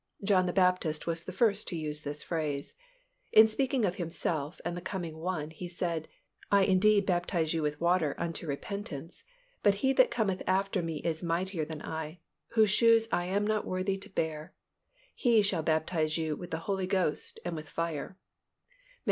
John the Baptist was the first to use this phrase. In speaking of himself and the coming One he said, "I indeed baptize you with water unto repentance: but He that cometh after me is mightier than I, whose shoes I am not worthy to bear: He shall baptize you with the Holy Ghost and with fire" (Matt.